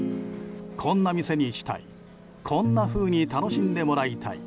こんな店にしたいこんなふうに楽しんでもらいたい。